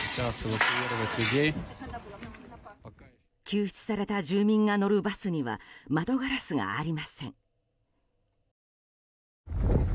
救出された住民が乗るバスには窓ガラスがありません。